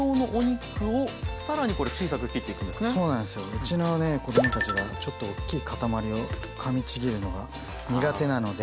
うちの子どもたちはちょっと大きい塊をかみちぎるのが苦手なので。